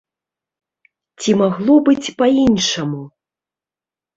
Ці магло быць па-іншаму?